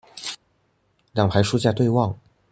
兩排書架對望